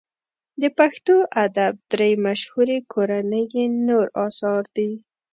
د پښتو ادب درې مشهوري کورنۍ یې نور اثار دي.